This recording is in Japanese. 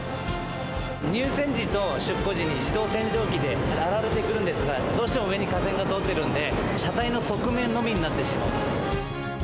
入線時と出庫時に、自動洗浄機で洗われてくるんですが、どうしても上に架線が通ってるんで、車体の側面のみになってしまうんです。